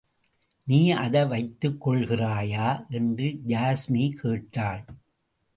நீ அதை வைத்துக் கொள்கிறாயா? என்று யாஸ்மி கேட்டாள்.